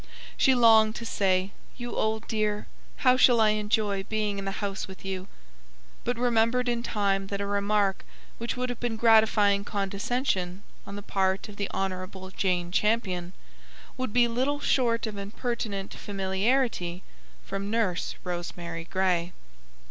She longed to say: "You old dear! How I shall enjoy being in the house with you!" but remembered in time that a remark which would have been gratifying condescension on the part of the Honourable Jane Champion, would be little short of impertinent familiarity from Nurse Rosemary Gray.